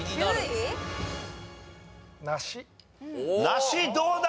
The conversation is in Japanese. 梨どうだ？